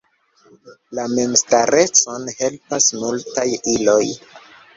La memstarecon helpas multaj iloj.